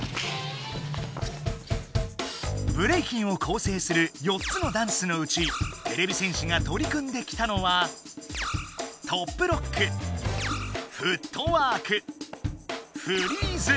ブレイキンをこうせいする４つのダンスのうちてれび戦士がとり組んできたのはトップロックフットワークフリーズ。